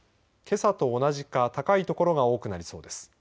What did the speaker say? けさと同じか高い所が多くなりそうです。